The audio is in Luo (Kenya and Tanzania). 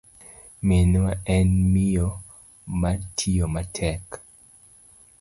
Minwa en miyo matiyo matek.